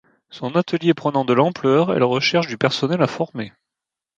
Son atelier prenant de l'ampleur, elle recherche du personnel à former.